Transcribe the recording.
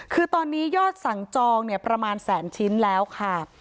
คือตอนนี้ยอดสั่งจองประมาณแสนชิ้นแล้วค่ะ